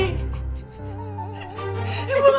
emang ga boleh pergi bu